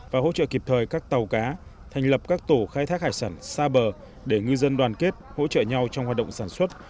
và hỗ trợ kịp thời các tàu cá thành lập các tổ khai thác hải sản xa bờ để ngư dân đoàn kết hỗ trợ nhau trong hoạt động sản xuất